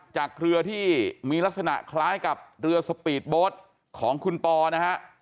จากเรือที่มีลักษณะคล้ายกับเรือสปีดโบสต์ของคุณปอนะฮะ